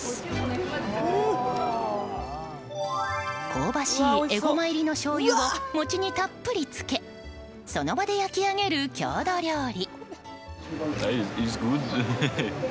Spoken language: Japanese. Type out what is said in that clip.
香ばしいエゴマ入りのしょうゆを餅にたっぷりつけその場で焼き上げる郷土料理。